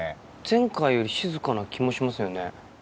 前回より静かな気もしますよね。